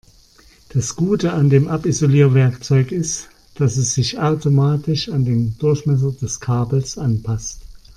Das Gute an dem Abisolierwerkzeug ist, dass es sich automatisch an den Durchmesser des Kabels anpasst.